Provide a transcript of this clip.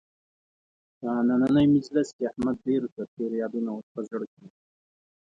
په نننۍ مجلس کې احمد ډېرو ته تېر یادونه ور په زړه کړل.